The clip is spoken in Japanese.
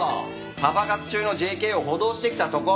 パパ活中のＪＫを補導してきたとこ！